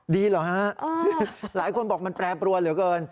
เหรอฮะหลายคนบอกมันแปรปรวนเหลือเกิน